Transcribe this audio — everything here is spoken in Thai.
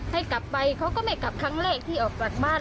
ให้กลับไปเขาก็ไม่กลับครั้งแรกที่ออกจากบ้าน